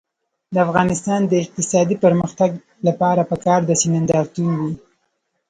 د افغانستان د اقتصادي پرمختګ لپاره پکار ده چې نندارتون وي.